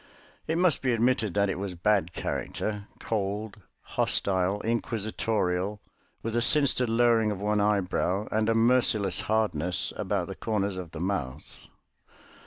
It must be admitted that it was bad character, cold, hostile, inquisitorial, with a sinister lowering of one eyebrow and a merciless hardness about the corners of the mouth.